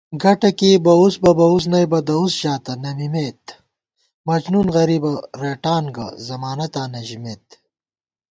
گٹہ کېئی بَوُس بہ بَوُس نئیبہ دَؤس ژاتہ نہ مِمېت * مجنُون غریبہ رېٹان گہ، ضمانَتاں نہ ژِمېت